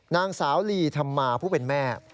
นางสาวลีธรรมาผู้เป็นแม่